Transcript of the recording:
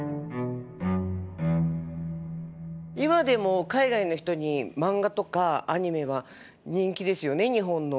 今でも海外の人に漫画とかアニメは人気ですよね日本の。